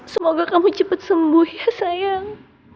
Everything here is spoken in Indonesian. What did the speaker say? semoga kamu cepat sembuh ya sayang